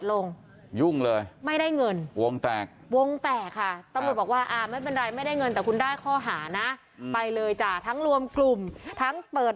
แล้วยังไง